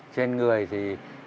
trên người thì